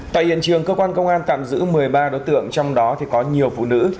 tại hiện trường cơ quan công an tạm giữ một mươi ba đối tượng trong đó thì có nhiều phụ nữ